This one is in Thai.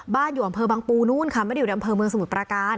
อยู่อำเภอบังปูนู้นค่ะไม่ได้อยู่ในอำเภอเมืองสมุทรประการ